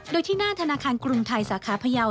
โดยที่หน้าธนาคารกรุงไทยสาขาพยาว